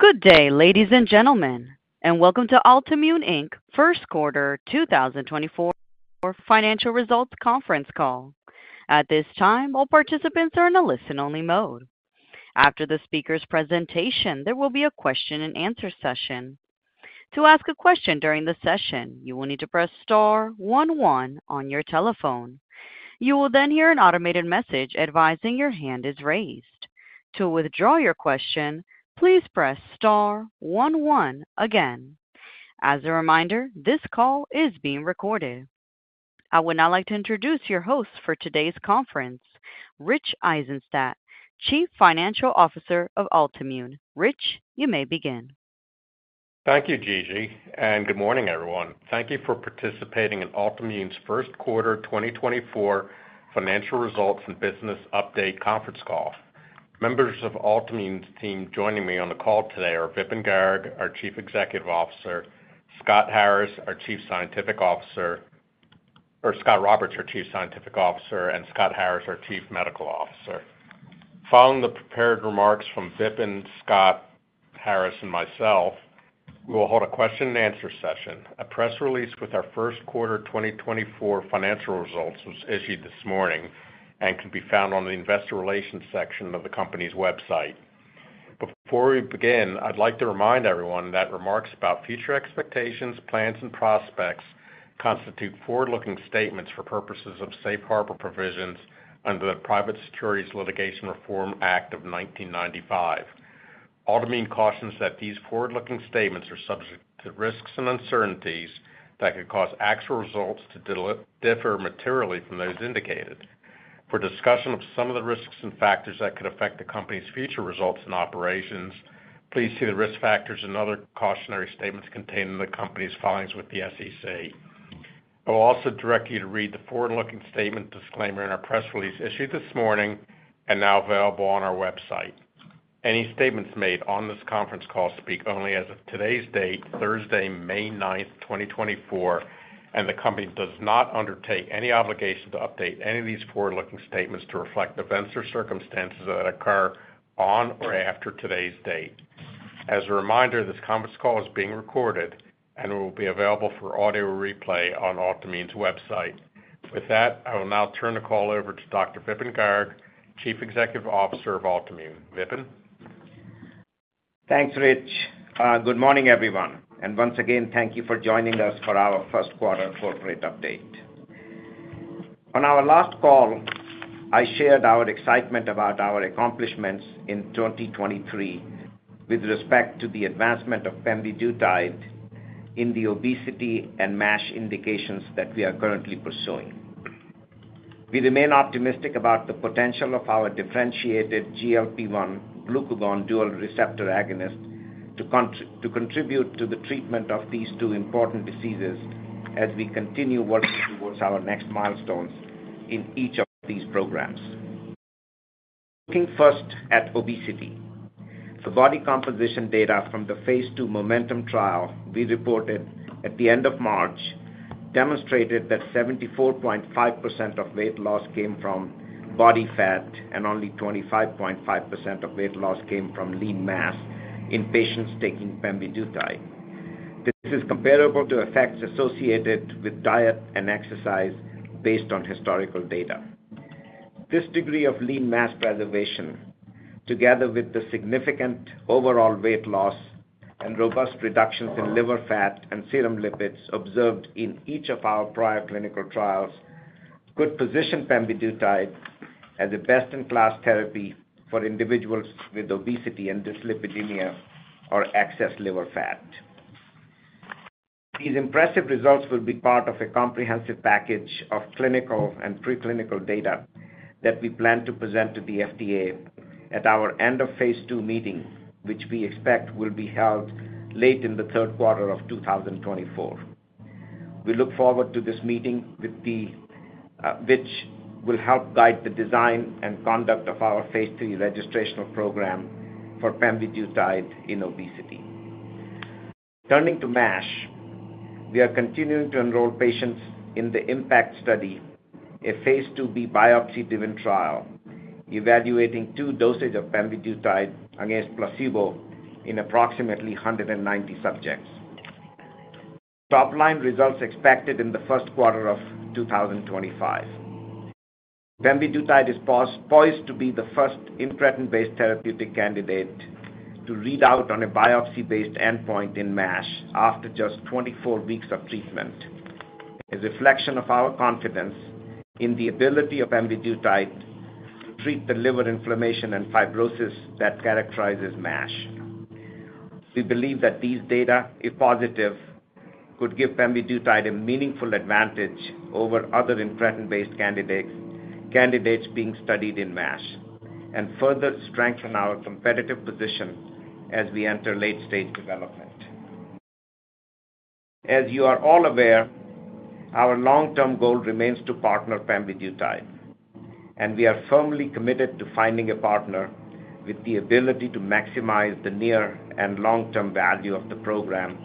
Good day, ladies and gentlemen, and welcome to Altimmune, Inc. First Quarter 2024 Financial Results Conference Call. At this time, all participants are in a listen-only mode. After the speaker's presentation, there will be a question-and-answer session. To ask a question during the session, you will need to press star one one on your telephone. You will then hear an automated message advising your hand is raised. To withdraw your question, please press star one one again. As a reminder, this call is being recorded. I would now like to introduce your host for today's conference, Rich Eisenstadt, Chief Financial Officer of Altimmune, Inc. Rich, you may begin. Thank you, Gigi, and good morning, everyone. Thank you for participating in Altimmune's first quarter 2024 financial results and business update conference call. Members of Altimmune's team joining me on the call today are Vipin Garg, our Chief Executive Officer, Scott Harris, our Chief Scientific Officer... or Scott Roberts, our Chief Scientific Officer, and Scott Harris, our Chief Medical Officer. Following the prepared remarks from Vipin, Scott Harris, and myself, we will hold a question-and-answer session. A press release with our first quarter 2024 financial results was issued this morning and can be found on the investor relations section of the company's website. Before we begin, I'd like to remind everyone that remarks about future expectations, plans, and prospects constitute forward-looking statements for purposes of safe harbor provisions under the Private Securities Litigation Reform Act of 1995. Altimmune cautions that these forward-looking statements are subject to risks and uncertainties that could cause actual results to differ materially from those indicated. For discussion of some of the risks and factors that could affect the company's future results and operations, please see the risk factors and other cautionary statements contained in the company's filings with the SEC. I will also direct you to read the forward-looking statement disclaimer in our press release issued this morning and now available on our website. Any statements made on this conference call speak only as of today's date, Thursday, May 9th, 2024, and the company does not undertake any obligation to update any of these forward-looking statements to reflect events or circumstances that occur on or after today's date. As a reminder, this conference call is being recorded and will be available for audio replay on Altimmune's website. With that, I will now turn the call over to Dr. Vipin Garg, Chief Executive Officer of Altimmune. Vipin? Thanks, Rich. Good morning, everyone, and once again, thank you for joining us for our first quarter corporate update. On our last call, I shared our excitement about our accomplishments in 2023 with respect to the advancement of pemvidutide in the obesity and MASH indications that we are currently pursuing. We remain optimistic about the potential of our differentiated GLP-1 glucagon dual receptor agonist to contribute to the treatment of these two important diseases as we continue working towards our next milestones in each of these programs. Looking first at obesity, the body composition data from the phase II MOMENTUM trial we reported at the end of March demonstrated that 74.5% of weight loss came from body fat and only 25.5% of weight loss came from lean mass in patients taking pemvidutide. This is comparable to effects associated with diet and exercise based on historical data. This degree of lean mass preservation, together with the significant overall weight loss and robust reductions in liver fat and serum lipids observed in each of our prior clinical trials, could position pemvidutide as a best-in-class therapy for individuals with obesity and dyslipidemia or excess liver fat. These impressive results will be part of a comprehensive package of clinical and preclinical data that we plan to present to the FDA at our end of phase II meeting, which we expect will be held late in the third quarter of 2024. We look forward to this meeting which will help guide the design and conduct of our phase III registrational program for pemvidutide in obesity. Turning to MASH, we are continuing to enroll patients in the IMPACT study, a phase IIb biopsy-driven trial, evaluating two doses of pemvidutide against placebo in approximately 190 subjects. Top-line results expected in the first quarter of 2025. Pemvidutide is poised to be the first incretin-based therapeutic candidate to read out on a biopsy-based endpoint in MASH after just 24 weeks of treatment, a reflection of our confidence in the ability of pemvidutide to treat the liver inflammation and fibrosis that characterizes MASH. We believe that these data, if positive, could give pemvidutide a meaningful advantage over other incretin-based candidates, candidates being studied in MASH and further strengthen our competitive position as we enter late-stage development. As you are all aware, our long-term goal remains to partner pemvidutide, and we are firmly committed to finding a partner with the ability to maximize the near and long-term value of the program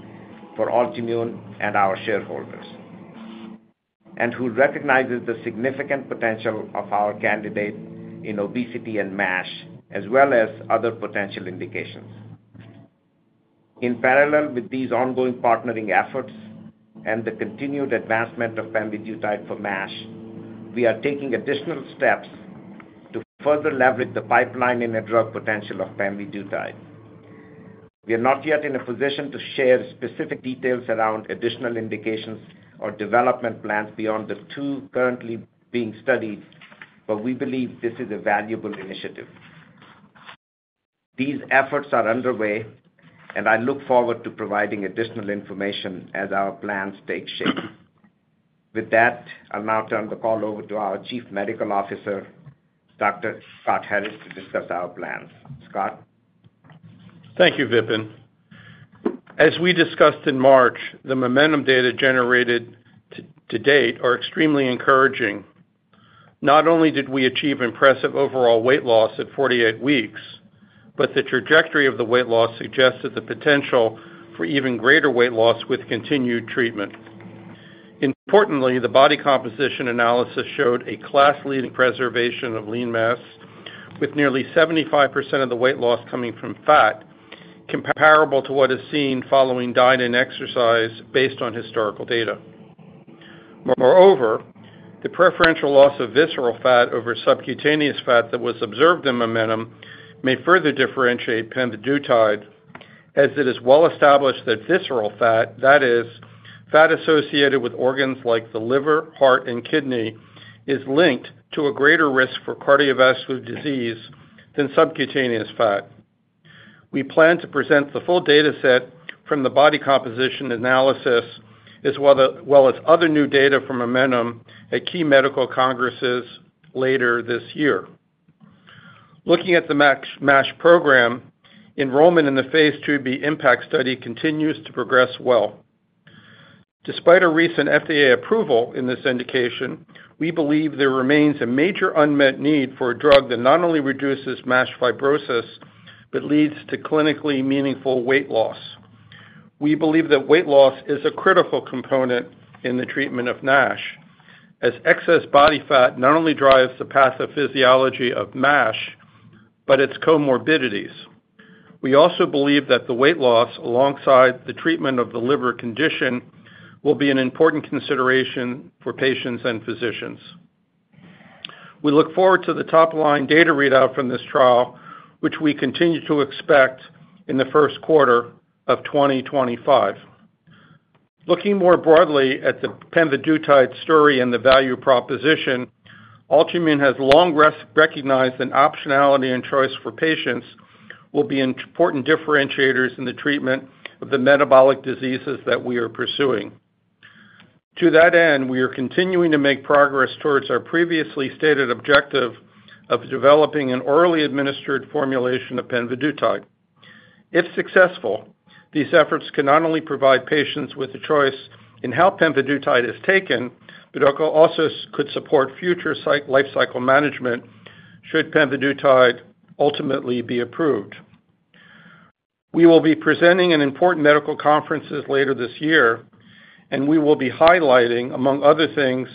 for Altimmune and our shareholders... and who recognizes the significant potential of our candidate in obesity and MASH, as well as other potential indications. In parallel with these ongoing partnering efforts and the continued advancement of pemvidutide for MASH, we are taking additional steps to further leverage the pipeline and the drug potential of pemvidutide. We are not yet in a position to share specific details around additional indications or development plans beyond the two currently being studied, but we believe this is a valuable initiative. These efforts are underway, and I look forward to providing additional information as our plans take shape. With that, I'll now turn the call over to our Chief Medical Officer, Dr. Scott Harris, to discuss our plans. Scott? Thank you, Vipin. As we discussed in March, the Momentum data generated to date are extremely encouraging. Not only did we achieve impressive overall weight loss at 48 weeks, but the trajectory of the weight loss suggests that the potential for even greater weight loss with continued treatment. Importantly, the body composition analysis showed a class-leading preservation of lean mass, with nearly 75% of the weight loss coming from fat, comparable to what is seen following diet and exercise based on historical data. Moreover, the preferential loss of visceral fat over subcutaneous fat that was observed in Momentum may further differentiate pemvidutide, as it is well established that visceral fat, that is, fat associated with organs like the liver, heart, and kidney, is linked to a greater risk for cardiovascular disease than subcutaneous fat. We plan to present the full data set from the body composition analysis, as well as other new data from MOMENTUM at key medical congresses later this year. Looking at the MASH program, enrollment in the Phase IIb IMPACT study continues to progress well. Despite a recent FDA approval in this indication, we believe there remains a major unmet need for a drug that not only reduces MASH fibrosis, but leads to clinically meaningful weight loss. We believe that weight loss is a critical component in the treatment of NASH, as excess body fat not only drives the pathophysiology of MASH, but its comorbidities. We also believe that the weight loss, alongside the treatment of the liver condition, will be an important consideration for patients and physicians. We look forward to the top-line data readout from this trial, which we continue to expect in the first quarter of 2025. Looking more broadly at the pemvidutide story and the value proposition, Altimmune has long recognized that optionality and choice for patients will be important differentiators in the treatment of the metabolic diseases that we are pursuing. To that end, we are continuing to make progress towards our previously stated objective of developing an orally administered formulation of pemvidutide. If successful, these efforts can not only provide patients with a choice in how pemvidutide is taken, but also could support future lifecycle management, should pemvidutide ultimately be approved. We will be presenting in important medical conferences later this year, and we will be highlighting, among other things,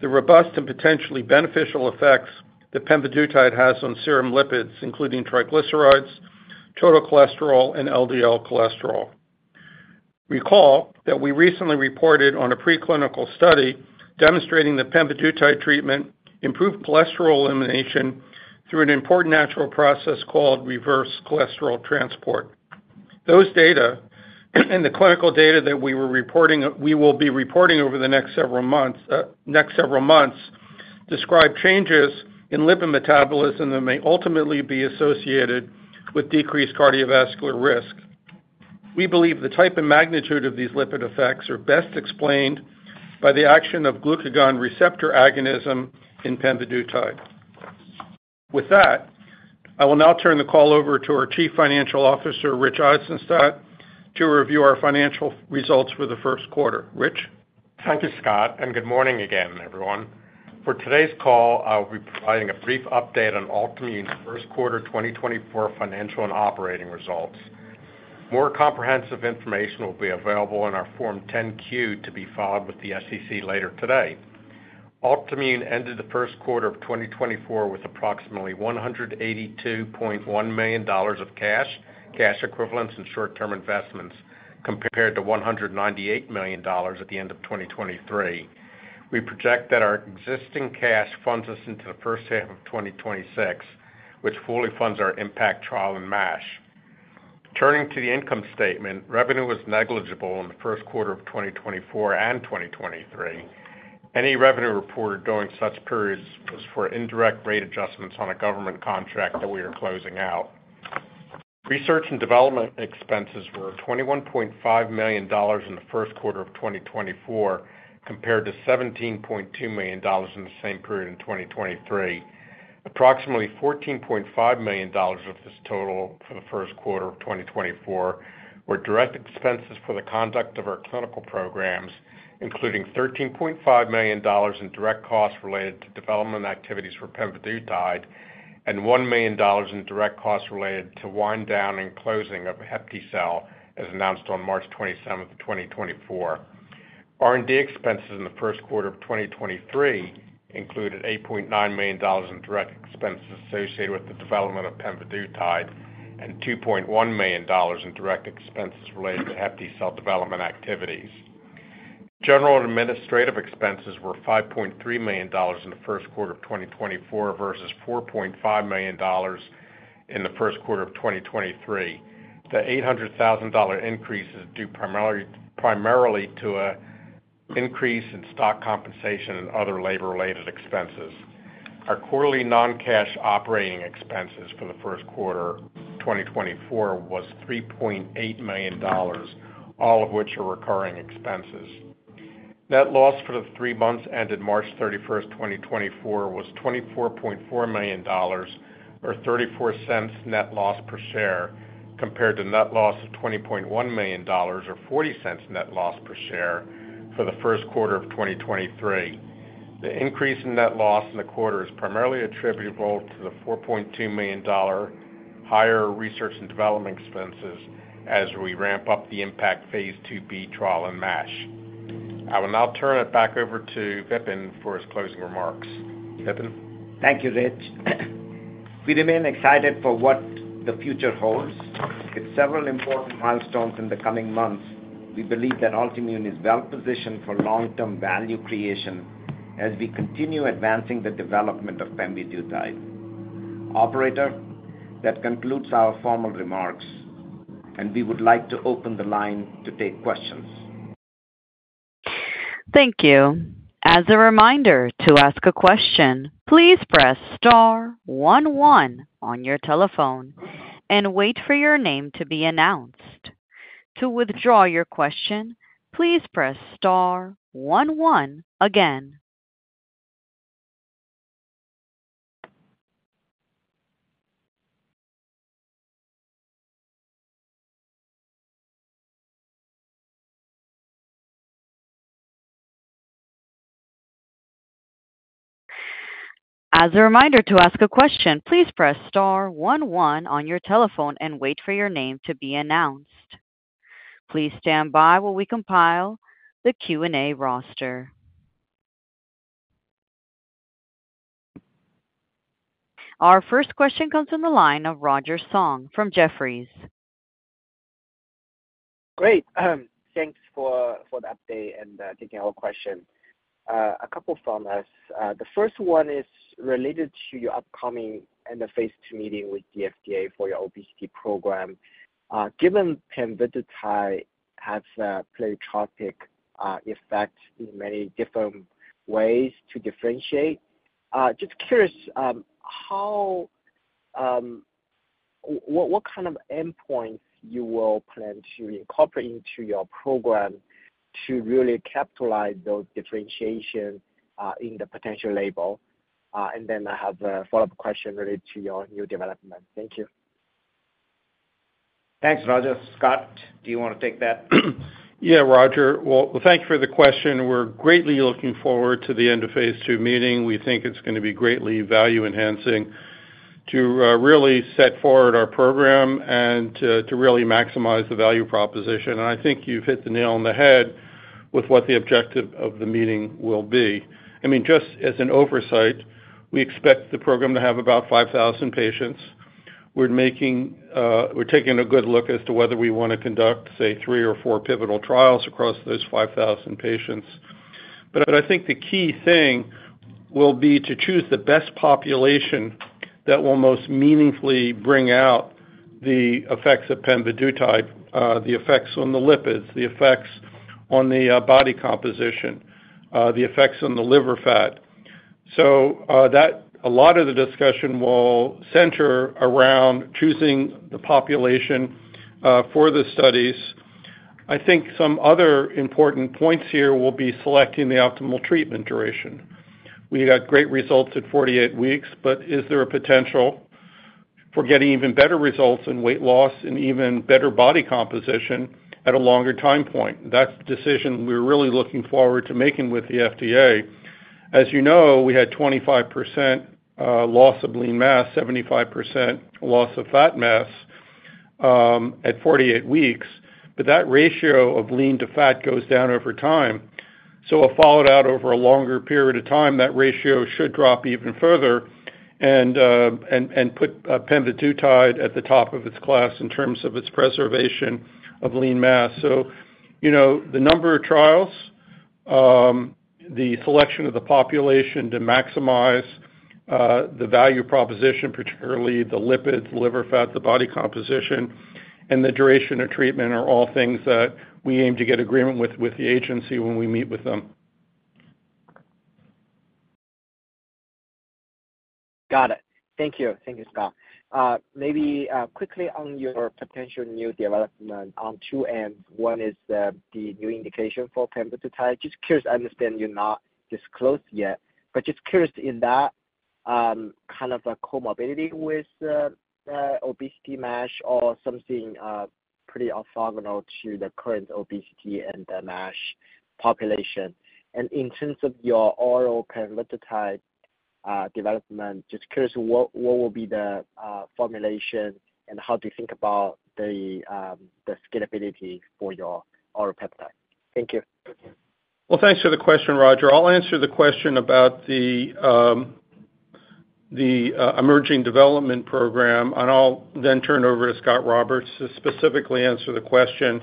the robust and potentially beneficial effects that pemvidutide has on serum lipids, including triglycerides, total cholesterol, and LDL cholesterol. Recall that we recently reported on a preclinical study demonstrating that pemvidutide treatment improved cholesterol elimination through an important natural process called reverse cholesterol transport. Those data and the clinical data that we were reporting. We will be reporting over the next several months describe changes in lipid metabolism that may ultimately be associated with decreased cardiovascular risk. We believe the type and magnitude of these lipid effects are best explained by the action of glucagon receptor agonism in pemvidutide. With that, I will now turn the call over to our Chief Financial Officer, Rich Eisenstadt, to review our financial results for the first quarter. Rich? Thank you, Scott, and good morning again, everyone. For today's call, I'll be providing a brief update on Altimmune's first quarter 2024 financial and operating results. More comprehensive information will be available in our Form 10-Q to be filed with the SEC later today. Altimmune ended the first quarter of 2024 with approximately $182.1 million of cash, cash equivalents, and short-term investments, compared to $198 million at the end of 2023. We project that our existing cash funds us into the first half of 2026, which fully funds our IMPACT trial in MASH. Turning to the income statement, revenue was negligible in the first quarter of 2024 and 2023. Any revenue reported during such periods was for indirect rate adjustments on a government contract that we are closing out. Research and development expenses were $21.5 million in the first quarter of 2024, compared to $17.2 million in the same period in 2023. Approximately $14.5 million of this total for the first quarter of 2024 were direct expenses for the conduct of our clinical programs, including $13.5 million in direct costs related to development activities for pemvidutide.... and $1 million in direct costs related to wind down and closing of HepTcell, as announced on March 27th, 2024. R&D expenses in the first quarter of 2023 included $8.9 million in direct expenses associated with the development of pemvidutide and $2.1 million in direct expenses related to HepTcell development activities. General administrative expenses were $5.3 million in the first quarter of 2024 versus $4.5 million in the first quarter of 2023. The $800,000 increase is due primarily- primarily to an increase in stock compensation and other labor related expenses. Our quarterly non-cash operating expenses for the first quarter 2024 was $3.8 million, all of which are recurring expenses. Net loss for the three months ended March 31st, 2024, was $24.4 million, or 34 cents net loss per share, compared to net loss of $20.1 million or 40 cents net loss per share for the first quarter of 2023. The increase in net loss in the quarter is primarily attributable to the $4.2 million higher research and development expenses as we ramp up the IMPACT phase IIb trial in MASH. I will now turn it back over to Vipin for his closing remarks. Vipin? Thank you, Rich. We remain excited for what the future holds. With several important milestones in the coming months, we believe that Altimmune is well positioned for long-term value creation as we continue advancing the development of pemvidutide. Operator, that concludes our formal remarks, and we would like to open the line to take questions. Thank you. As a reminder, to ask a question, please press star one, one on your telephone and wait for your name to be announced. To withdraw your question, please press star one, one again. As a reminder, to ask a question, please press star one, one on your telephone and wait for your name to be announced. Please stand by while we compile the Q&A roster. Our first question comes from the line of Roger Song from Jefferies. Great. Thanks for the update and taking our question. A couple from us. The first one is related to your upcoming and the phase II meeting with the FDA for your obesity program. Given pemvidutide has a pleiotropic effect in many different ways to differentiate, just curious, how, what kind of endpoints you will plan to incorporate into your program to really capitalize those differentiation in the potential label? And then I have a follow-up question related to your new development. Thank you. Thanks, Roger. Scott, do you want to take that? Yeah, Roger. Well, thank you for the question. We're greatly looking forward to the end-of-phase II meeting. We think it's going to be greatly value enhancing to really set forward our program and to really maximize the value proposition. And I think you've hit the nail on the head with what the objective of the meeting will be. I mean, just as an oversight, we expect the program to have about 5,000 patients. We're making, we're taking a good look as to whether we want to conduct, say, 3 or 4 pivotal trials across those 5,000 patients. But I think the key thing will be to choose the best population that will most meaningfully bring out the effects of pemvidutide, the effects on the lipids, the effects on the body composition, the effects on the liver fat. So, that... A lot of the discussion will center around choosing the population, for the studies. I think some other important points here will be selecting the optimal treatment duration. We got great results at 48 weeks, but is there a potential for getting even better results in weight loss and even better body composition at a longer time point? That's the decision we're really looking forward to making with the FDA. As you know, we had 25% loss of lean mass, 75% loss of fat mass, at 48 weeks, but that ratio of lean to fat goes down over time. So if followed out over a longer period of time, that ratio should drop even further and put pemvidutide at the top of its class in terms of its preservation of lean mass. So, you know, the number of trials, the selection of the population to maximize, the value proposition, particularly the lipids, liver fat, the body composition, and the duration of treatment, are all things that we aim to get agreement with, with the agency when we meet with them. Got it. Thank you. Thank you, Scott. Maybe quickly on your potential new development on two ends. One is the new indication for pemvidutide. Just curious, I understand you're not disclosed yet, but just curious, in that kind of a comorbidity with obesity MASH or something pretty orthogonal to the current obesity and the NASH population. And in terms of your oral peptide development, just curious, what will be the formulation, and how do you think about the scalability for your oral peptide? Thank you. Well, thanks for the question, Roger. I'll answer the question about the emerging development program, and I'll then turn over to Scott Roberts to specifically answer the question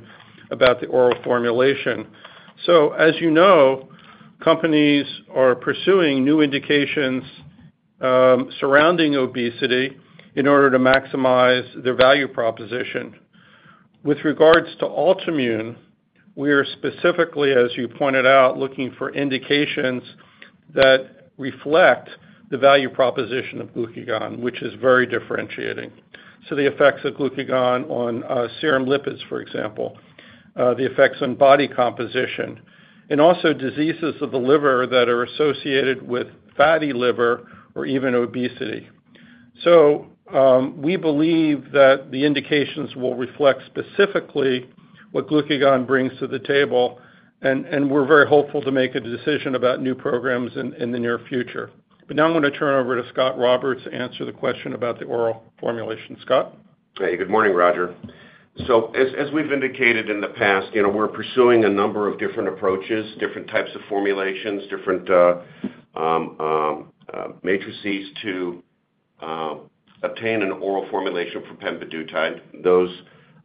about the oral formulation. So as you know, companies are pursuing new indications surrounding obesity in order to maximize their value proposition. With regards to Altimmune, we are specifically, as you pointed out, looking for indications that reflect the value proposition of glucagon, which is very differentiating. So the effects of glucagon on serum lipids, for example, the effects on body composition, and also diseases of the liver that are associated with fatty liver or even obesity. So we believe that the indications will reflect specifically what glucagon brings to the table, and we're very hopeful to make a decision about new programs in the near future. Now I'm gonna turn over to Scott Roberts to answer the question about the oral formulation. Scott? Hey, good morning, Roger. So as we've indicated in the past, you know, we're pursuing a number of different approaches, different types of formulations, different matrices to obtain an oral formulation for pemvidutide. Those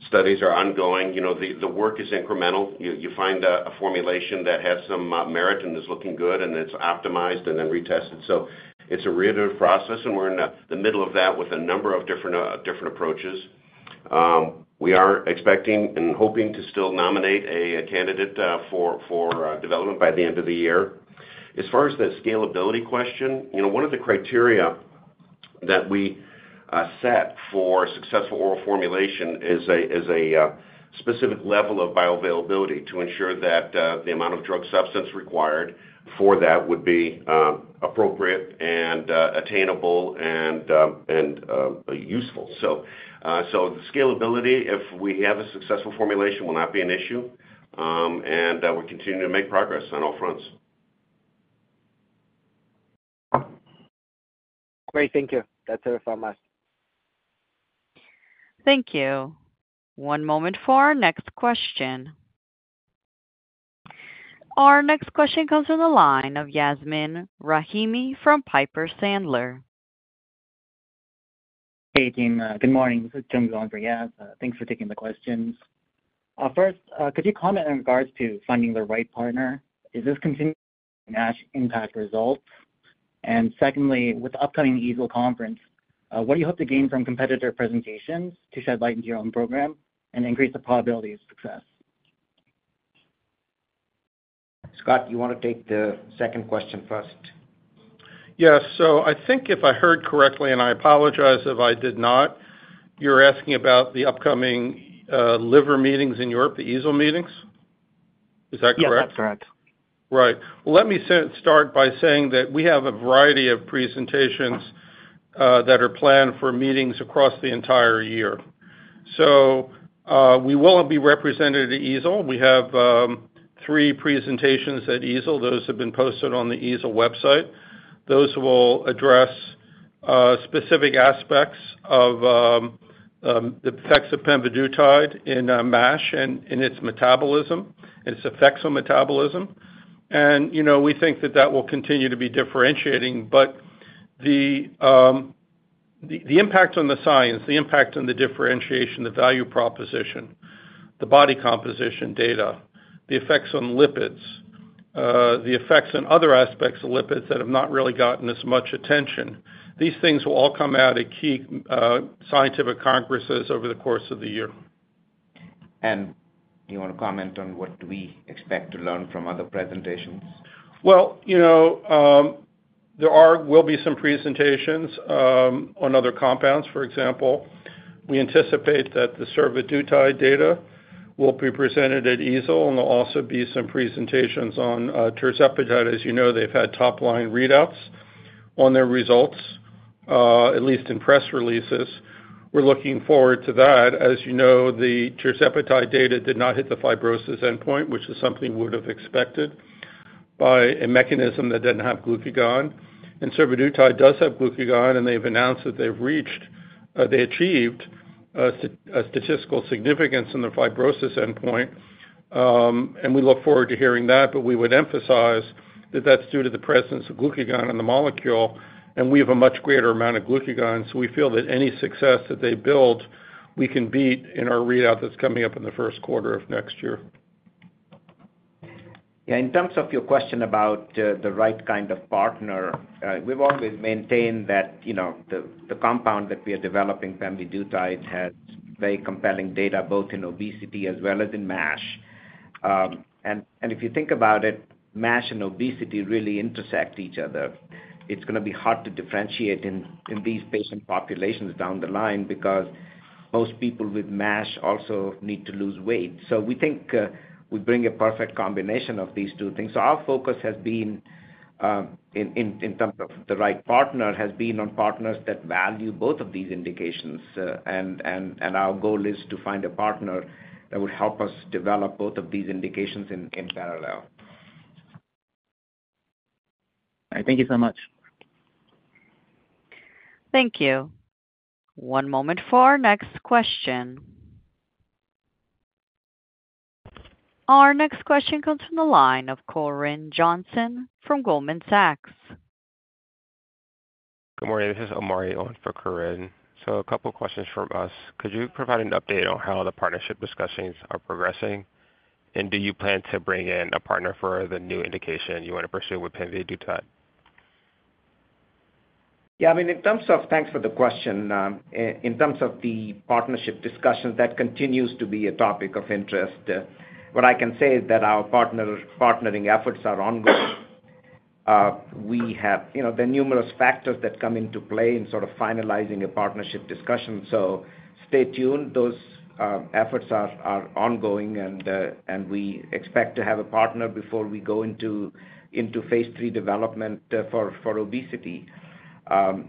studies are ongoing. You know, the work is incremental. You find a formulation that has some merit and is looking good, and it's optimized and then retested. So it's an iterative process, and we're in the middle of that with a number of different approaches. We are expecting and hoping to still nominate a candidate for development by the end of the year. As far as the scalability question, you know, one of the criteria that we set for successful oral formulation is a specific level of bioavailability to ensure that the amount of drug substance required for that would be appropriate and useful. So the scalability, if we have a successful formulation, will not be an issue, and we're continuing to make progress on all fronts. Great. Thank you. That's it on my end. Thank you. One moment for our next question. Our next question comes from the line of Yasmin Rahimi from Piper Sandler. Hey, team. Good morning. This is Jim on for Yas. Thanks for taking the questions. First, could you comment in regards to finding the right partner? Is this continuing NASH IMPACT results? And secondly, with the upcoming EASL conference, what do you hope to gain from competitor presentations to shed light into your own program and increase the probability of success? Scott, you wanna take the second question first? Yeah. So I think if I heard correctly, and I apologize if I did not, you're asking about the upcoming liver meetings in Europe, the EASL meetings. Is that correct? Yeah, that's correct. Right. Well, let me start by saying that we have a variety of presentations that are planned for meetings across the entire year. So, we will be represented at EASL. We have three presentations at EASL. Those have been posted on the EASL website. Those will address specific aspects of the effects of pemvidutide in MASH and in its metabolism, its effects on metabolism. And, you know, we think that that will continue to be differentiating. But the impact on the science, the impact on the differentiation, the value proposition, the body composition data, the effects on lipids, the effects on other aspects of lipids that have not really gotten as much attention, these things will all come out at key scientific congresses over the course of the year. Do you wanna comment on what do we expect to learn from other presentations? Well, you know, there will be some presentations on other compounds, for example. We anticipate that the survodutide data will be presented at EASL, and there'll also be some presentations on tirzepatide. As you know, they've had top-line readouts on their results, at least in press releases. We're looking forward to that. As you know, the tirzepatide data did not hit the fibrosis endpoint, which is something we would have expected by a mechanism that didn't have glucagon. And survodutide does have glucagon, and they've announced that they've reached, they achieved, a statistical significance in the fibrosis endpoint. And we look forward to hearing that, but we would emphasize that that's due to the presence of glucagon in the molecule, and we have a much greater amount of glucagon, so we feel that any success that they build, we can beat in our readout that's coming up in the first quarter of next year. Yeah, in terms of your question about the right kind of partner, we've always maintained that, you know, the compound that we are developing, pemvidutide, has very compelling data, both in obesity as well as in MASH. And if you think about it, MASH and obesity really intersect each other. It's gonna be hard to differentiate in these patient populations down the line because most people with MASH also need to lose weight. So we think we bring a perfect combination of these two things. So our focus has been in terms of the right partner, has been on partners that value both of these indications. And our goal is to find a partner that will help us develop both of these indications in parallel.... Thank you so much. Thank you. One moment for our next question. Our next question comes from the line of Corinne Johnson from Goldman Sachs. Good morning, this is Omari on for Corinne. So a couple questions from us. Could you provide an update on how the partnership discussions are progressing? And do you plan to bring in a partner for the new indication you want to pursue with pemvidutide? Yeah, I mean, in terms of, thanks for the question. In terms of the partnership discussions, that continues to be a topic of interest. What I can say is that our partnering efforts are ongoing. We have, you know, there are numerous factors that come into play in sort of finalizing a partnership discussion, so stay tuned. Those efforts are ongoing, and we expect to have a partner before we go into phase III development for obesity. As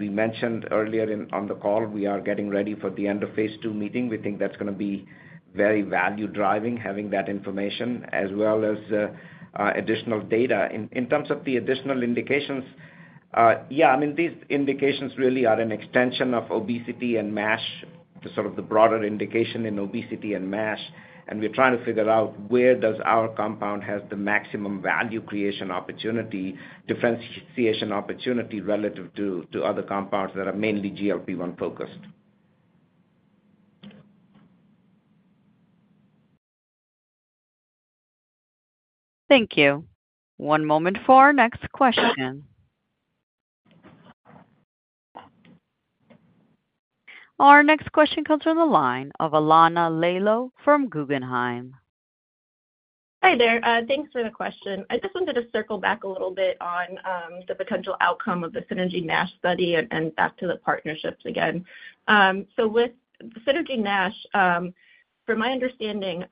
we mentioned earlier on the call, we are getting ready for the end of phase II meeting. We think that's gonna be very value-driving, having that information as well as additional data. In terms of the additional indications, yeah, I mean, these indications really are an extension of obesity and MASH, sort of the broader indication in obesity and MASH, and we're trying to figure out where does our compound have the maximum value creation opportunity, differentiation opportunity, relative to other compounds that are mainly GLP-1 focused. Thank you. One moment for our next question. Our next question comes from the line of Alana Lalo from Guggenheim. Hi there, thanks for the question. I just wanted to circle back a little bit on the potential outcome of the Synergy-NASH study and back to the partnerships again. So with Synergy-NASH from my understanding,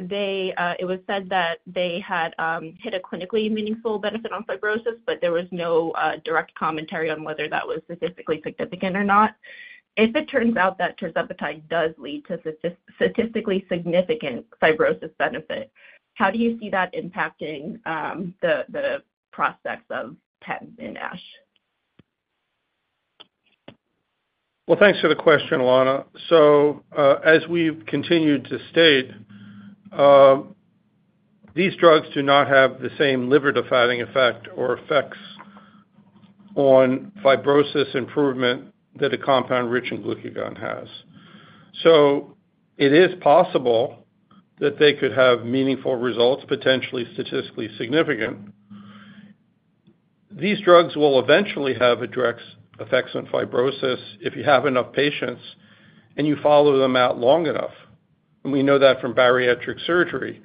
they, it was said that they had hit a clinically meaningful benefit on fibrosis, but there was no direct commentary on whether that was statistically significant or not. If it turns out that tirzepatide does lead to statistically significant fibrosis benefit, how do you see that impacting the prospects of pemvidutide in MASH? Well, thanks for the question, Alana. So, as we've continued to state, these drugs do not have the same liver defatting effect or effects on fibrosis improvement that a compound rich in glucagon has. So it is possible that they could have meaningful results, potentially statistically significant. These drugs will eventually have a direct effects on fibrosis if you have enough patients, and you follow them out long enough. And we know that from bariatric surgery,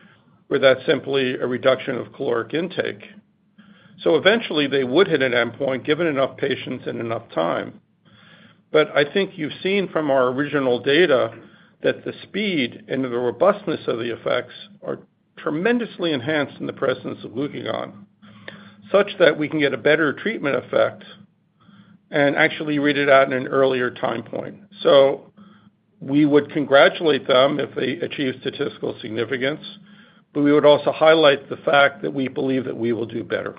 where that's simply a reduction of caloric intake. So eventually, they would hit an endpoint, given enough patients and enough time. But I think you've seen from our original data that the speed and the robustness of the effects are tremendously enhanced in the presence of glucagon, such that we can get a better treatment effect and actually read it out in an earlier time point. We would congratulate them if they achieve statistical significance, but we would also highlight the fact that we believe that we will do better.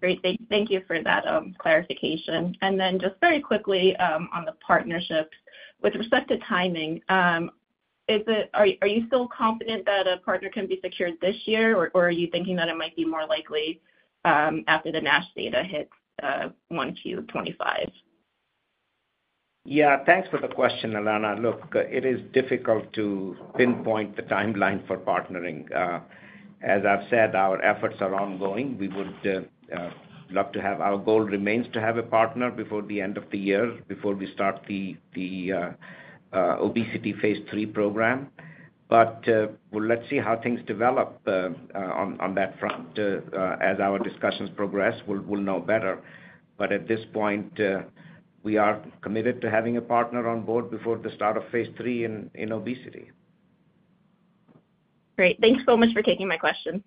Great, thank you for that clarification. And then just very quickly on the partnerships. With respect to timing, is it... Are you still confident that a partner can be secured this year, or are you thinking that it might be more likely after the MASH data hits, 1Q25? Yeah, thanks for the question, Alana. Look, it is difficult to pinpoint the timeline for partnering. As I've said, our efforts are ongoing. We would love to have... Our goal remains to have a partner before the end of the year, before we start the obesity phase III program. But, well, let's see how things develop on that front as our discussions progress, we'll know better. But at this point, we are committed to having a partner on board before the start of phase III in obesity. Great. Thanks so much for taking my question.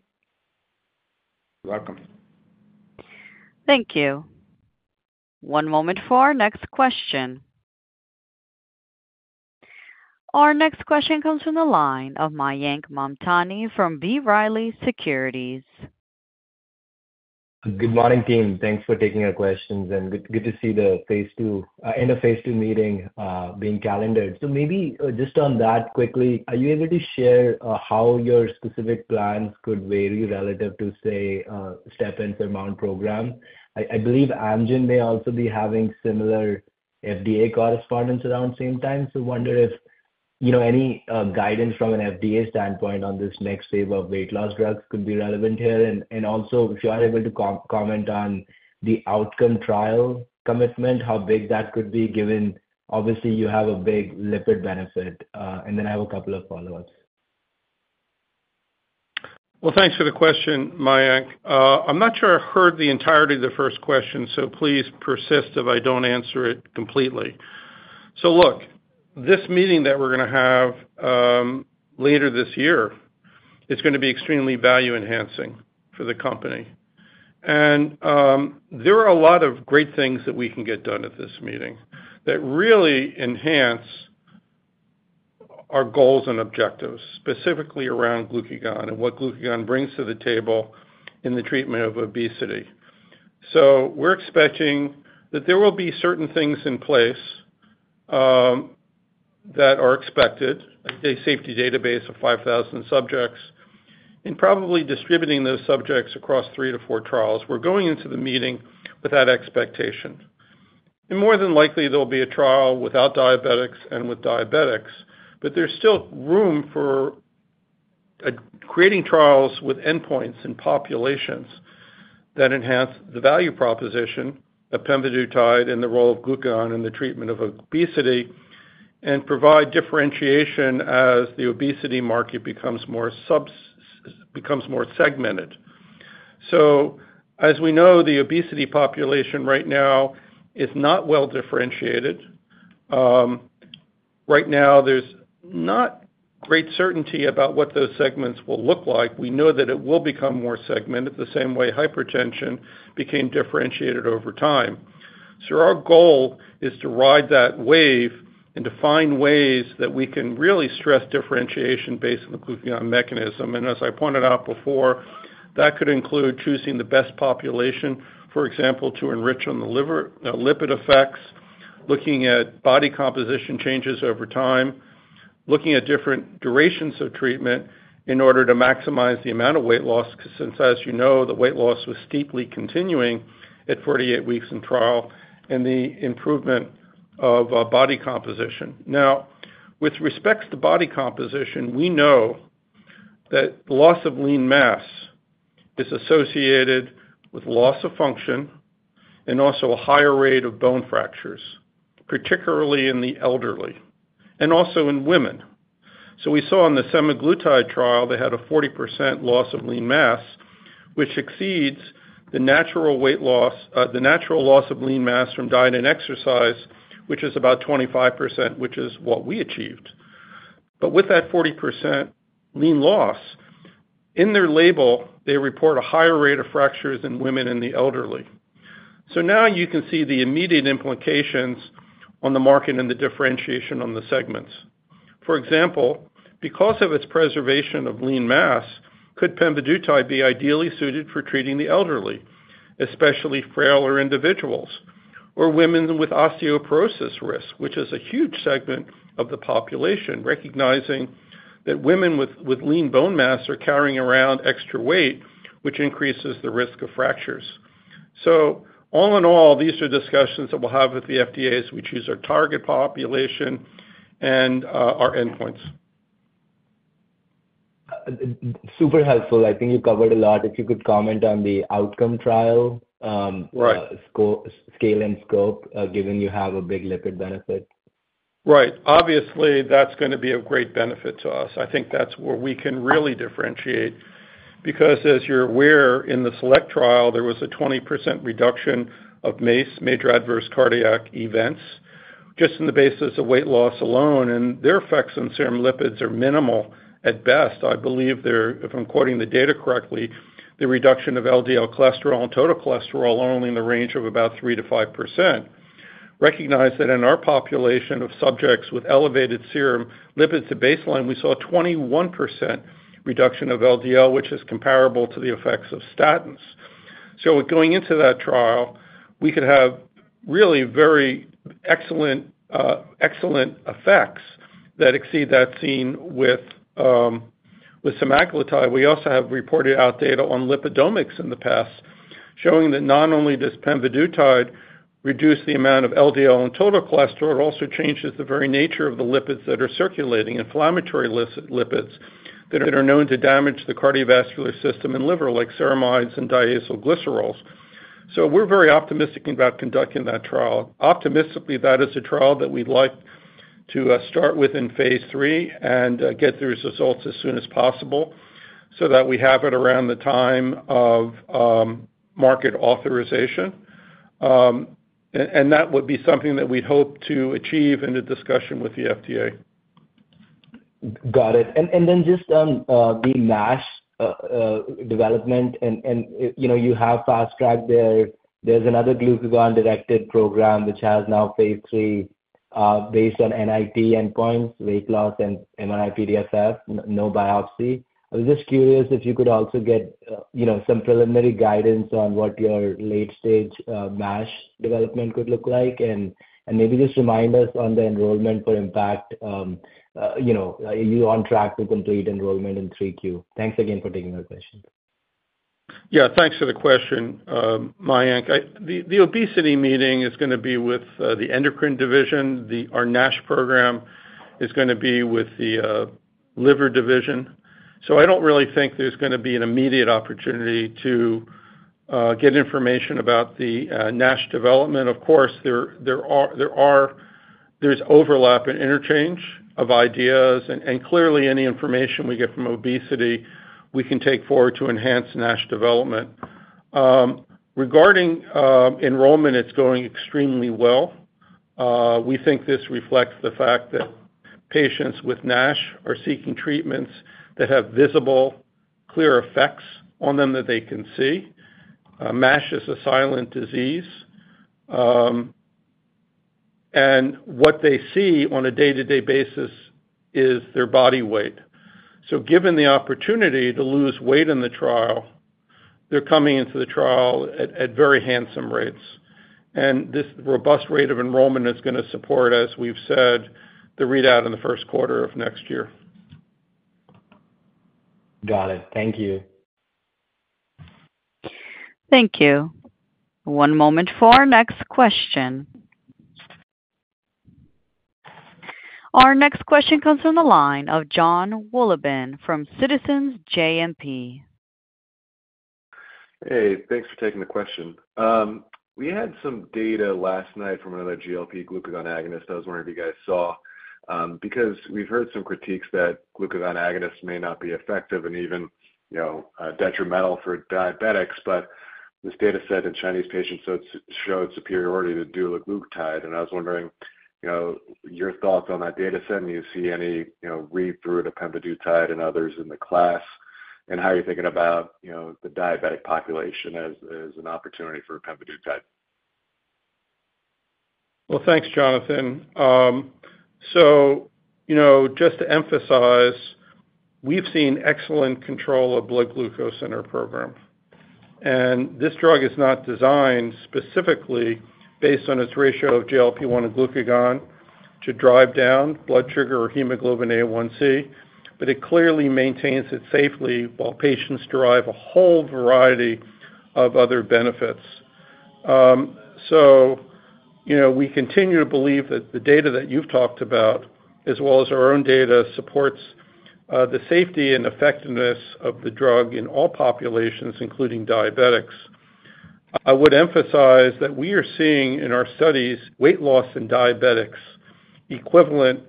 You're welcome. Thank you. One moment for our next question. Our next question comes from the line of Mayank Mamtani from B. Riley Securities. Good morning, team. Thanks for taking our questions, and good, good to see the phase II end of phase II meeting being calendared. So maybe just on that quickly, are you able to share how your specific plans could vary relative to, say, STEP and SURMOUNT program? I believe Amgen may also be having similar FDA correspondence around the same time. So I wonder if, you know, any guidance from an FDA standpoint on this next wave of weight loss drugs could be relevant here. And also, if you are able to comment on the outcome trial commitment, how big that could be, given obviously you have a big lipid benefit. And then I have a couple of follow-ups. Well, thanks for the question, Mayank. I'm not sure I heard the entirety of the first question, so please persist if I don't answer it completely. So look, this meeting that we're gonna have, later this year, is gonna be extremely value-enhancing for the company. And, there are a lot of great things that we can get done at this meeting that really enhance our goals and objectives, specifically around glucagon and what glucagon brings to the table in the treatment of obesity. So we're expecting that there will be certain things in place, that are expected, a safety database of 5,000 subjects, and probably distributing those subjects across three to four trials. We're going into the meeting with that expectation. And more than likely, there'll be a trial without diabetics and with diabetics, but there's still room for creating trials with endpoints in populations that enhance the value proposition of pemvidutide and the role of glucagon in the treatment of obesity, and provide differentiation as the obesity market becomes more segmented. So as we know, the obesity population right now is not well differentiated. Right now, there's not great certainty about what those segments will look like. We know that it will become more segmented, the same way hypertension became differentiated over time. So our goal is to ride that wave and to find ways that we can really stress differentiation based on the glucagon mechanism. As I pointed out before, that could include choosing the best population, for example, to enrich on the liver, the lipid effects, looking at body composition changes over time, looking at different durations of treatment in order to maximize the amount of weight loss, since, as you know, the weight loss was steeply continuing at 48 weeks in trial, and the improvement of body composition. Now, with respect to body composition, we know that loss of lean mass is associated with loss of function and also a higher rate of bone fractures, particularly in the elderly and also in women. We saw in the semaglutide trial, they had a 40% loss of lean mass, which exceeds the natural weight loss, the natural loss of lean mass from diet and exercise, which is about 25%, which is what we achieved. But with that 40% lean loss, in their label, they report a higher rate of fractures in women and the elderly. So now you can see the immediate implications on the market and the differentiation on the segments. For example, because of its preservation of lean mass, could pemvidutide be ideally suited for treating the elderly, especially frailer individuals or women with osteoporosis risk, which is a huge segment of the population, recognizing that women with lean bone mass are carrying around extra weight, which increases the risk of fractures. So all in all, these are discussions that we'll have with the FDA as we choose our target population and our endpoints. Super helpful. I think you covered a lot. If you could comment on the outcome trial, Right... scale and scope, given you have a big lipid benefit. Right. Obviously, that's gonna be of great benefit to us. I think that's where we can really differentiate, because as you're aware, in the SELECT trial, there was a 20% reduction of MACE, major adverse cardiac events, just on the basis of weight loss alone, and their effects on serum lipids are minimal at best. I believe they're, if I'm quoting the data correctly, the reduction of LDL cholesterol and total cholesterol are only in the range of about 3%-5%. Recognize that in our population of subjects with elevated serum lipids at baseline, we saw a 21% reduction of LDL, which is comparable to the effects of statins. So going into that trial, we could have really very excellent, excellent effects that exceed that seen with, with semaglutide. We also have reported out data on lipidomics in the past, showing that not only does pemvidutide reduce the amount of LDL and total cholesterol, it also changes the very nature of the lipids that are circulating, inflammatory lipids that are known to damage the cardiovascular system and liver, like ceramides and diacylglycerols. So we're very optimistic about conducting that trial. Optimistically, that is a trial that we'd like to start with in phase III and get those results as soon as possible so that we have it around the time of market authorization. And that would be something that we'd hope to achieve in a discussion with the FDA. Got it. And then just on the NASH development, and you know, you have fast tracked there. There's another glucagon-directed program which has now phase III, based on NIT endpoints, weight loss, and MRI-PDFF, no biopsy. I was just curious if you could also get you know, some preliminary guidance on what your late-stage NASH development could look like. And maybe just remind us on the enrollment for IMPACT. You know, are you on track to complete enrollment in 3Q? Thanks again for taking my question. Yeah, thanks for the question, Mayank. The obesity meeting is gonna be with the endocrine division. Our NASH program is gonna be with the liver division. So I don't really think there's gonna be an immediate opportunity to get information about the NASH development. Of course, there is overlap and interchange of ideas, and clearly, any information we get from obesity, we can take forward to enhance NASH development. Regarding enrollment, it's going extremely well. We think this reflects the fact that patients with NASH are seeking treatments that have visible, clear effects on them that they can see. NASH is a silent disease, and what they see on a day-to-day basis is their body weight. So given the opportunity to lose weight in the trial, they're coming into the trial at very handsome rates. And this robust rate of enrollment is going to support, as we've said, the readout in the first quarter of next year. Got it. Thank you. Thank you. One moment for our next question. Our next question comes from the line of Jon Wolleben from Citizens JMP. Hey, thanks for taking the question. We had some data last night from another GLP glucagon agonist. I was wondering if you guys saw, because we've heard some critiques that glucagon agonists may not be effective and even, you know, detrimental for diabetics. But this data set in Chinese patients showed superiority to dulaglutide, and I was wondering, you know, your thoughts on that data set, and do you see any, you know, read through the pemvidutide and others in the class? And how are you thinking about, you know, the diabetic population as an opportunity for pemvidutide? Well, thanks, Jonathan. So, you know, just to emphasize, we've seen excellent control of blood glucose in our program, and this drug is not designed specifically based on its ratio of GLP-1 to glucagon to drive down blood sugar or hemoglobin A1c, but it clearly maintains it safely while patients derive a whole variety of other benefits. So, you know, we continue to believe that the data that you've talked about, as well as our own data, supports the safety and effectiveness of the drug in all populations, including diabetics. I would emphasize that we are seeing in our studies, weight loss in diabetics equivalent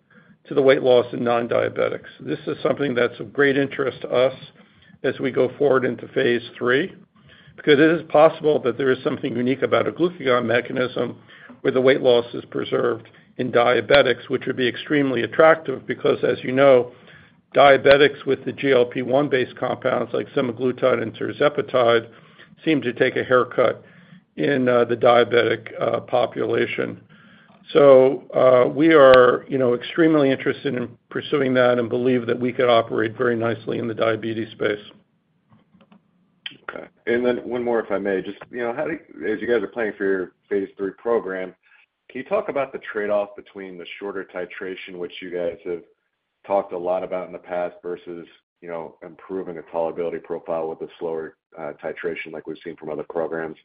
to the weight loss in nondiabetics. This is something that's of great interest to us as we go forward into phase III, because it is possible that there is something unique about a glucagon mechanism where the weight loss is preserved in diabetics, which would be extremely attractive because, as you know, diabetics with the GLP-1-based compounds, like semaglutide and tirzepatide, seem to take a haircut in the diabetic population. So, we are, you know, extremely interested in pursuing that and believe that we could operate very nicely in the diabetes space. Okay. Then one more, if I may. Just, you know, as you guys are planning for your phase III program, can you talk about the trade-off between the shorter titration, which you guys have talked a lot about in the past, versus, you know, improving the tolerability profile with a slower titration, like we've seen from other programs?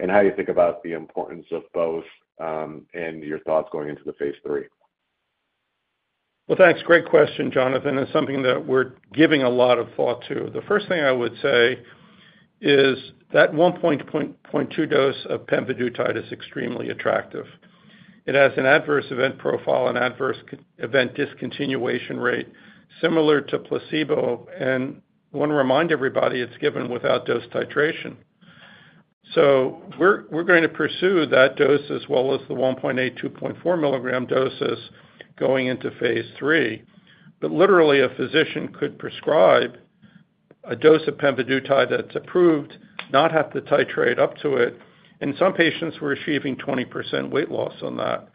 And how do you think about the importance of both, and your thoughts going into the phase III? Well, thanks. Great question, Jonathan. It's something that we're giving a lot of thought to. The first thing I would say is that 1.2 dose of pemvidutide is extremely attractive. It has an adverse event profile and adverse event discontinuation rate similar to placebo, and I want to remind everybody, it's given without dose titration. So we're going to pursue that dose, as well as the 1.8, 2.4 milligram doses, going into phase III. But literally, a physician could prescribe a dose of pemvidutide that's approved, not have to titrate up to it, and some patients were achieving 20% weight loss on that.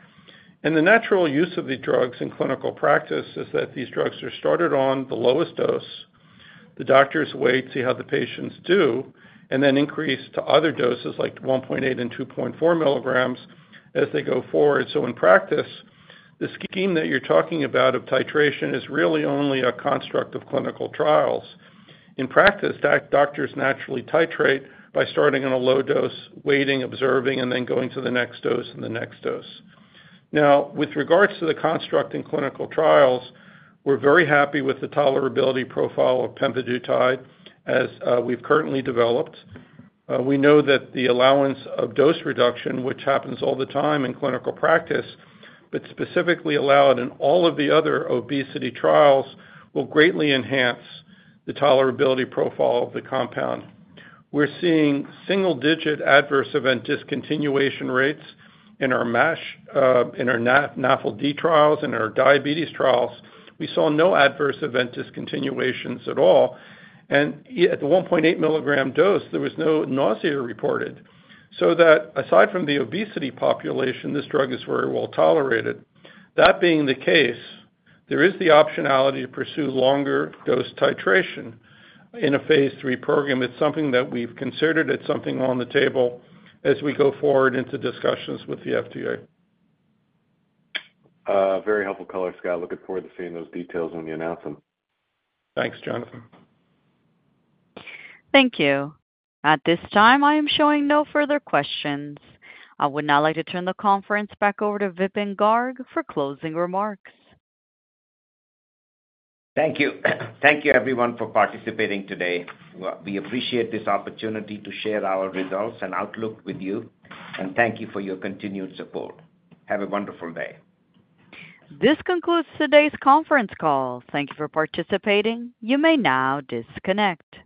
And the natural use of these drugs in clinical practice is that these drugs are started on the lowest dose. The doctors wait, see how the patients do, and then increase to other doses, like 1.8 and 2.4 milligrams, as they go forward. So in practice, the scheme that you're talking about of titration is really only a construct of clinical trials. In practice, doctors naturally titrate by starting on a low dose, waiting, observing, and then going to the next dose and the next dose. Now, with regards to the construct in clinical trials, we're very happy with the tolerability profile of pemvidutide as we've currently developed. We know that the allowance of dose reduction, which happens all the time in clinical practice, but specifically allowed in all of the other obesity trials, will greatly enhance the tolerability profile of the compound. We're seeing single-digit adverse event discontinuation rates in our MASH, in our NAFLD trials and our diabetes trials. We saw no adverse event discontinuations at all, and at the 1.8 milligram dose, there was no nausea reported. So that aside from the obesity population, this drug is very well tolerated. That being the case, there is the optionality to pursue longer dose titration in a Phase III program. It's something that we've considered. It's something on the table as we go forward into discussions with the FDA. Very helpful color, Scott. Looking forward to seeing those details when you announce them. Thanks, Jonathan. Thank you. At this time, I am showing no further questions. I would now like to turn the conference back over to Vipin Garg for closing remarks. Thank you. Thank you, everyone, for participating today. We appreciate this opportunity to share our results and outlook with you, and thank you for your continued support. Have a wonderful day. This concludes today's conference call. Thank you for participating. You may now disconnect.